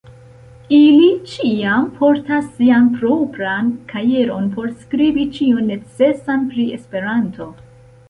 Ili ĉiam portas sian propran kajeron por skribi ĉion necesan pri Esperanto.